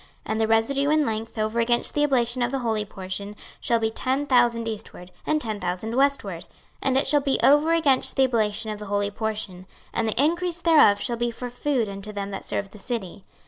26:048:018 And the residue in length over against the oblation of the holy portion shall be ten thousand eastward, and ten thousand westward: and it shall be over against the oblation of the holy portion; and the increase thereof shall be for food unto them that serve the city.